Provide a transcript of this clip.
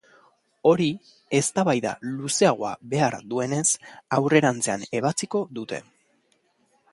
Hori, eztabaida luzeagoa behar duenez, aurrerantzean ebatziko dute.